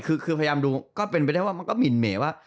ก็เป็นไปได้ว่ามันก็มินเมว่า